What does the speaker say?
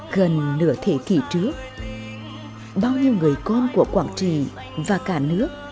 gần nửa thế kỷ trước bao nhiêu người con của quảng trì và cả nước